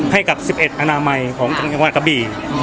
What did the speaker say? ให้กับ๑๑อนามัยของจังหวัดกะบี่